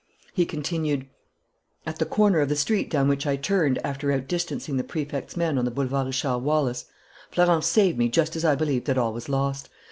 He continued: "At the corner of the street down which I turned after outdistancing the Prefect's men on the Boulevard Richard Wallace, Florence saved me just as I believed that all was lost.